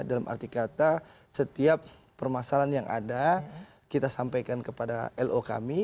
dalam arti kata setiap permasalahan yang ada kita sampaikan kepada lo kami